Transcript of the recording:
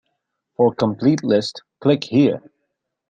For a complete list click here.